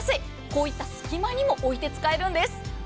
こういった隙間にも置いて使えるんです。